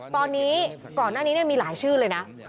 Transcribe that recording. ตอนนี้ก่อนหน้านี้มีหลายชื่อเลยนะ